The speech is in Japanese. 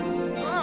あ。